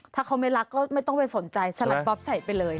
ถ้าเขาไม่รักก็ไม่ต้องไปสนใจสลัดป๊อปใส่ไปเลย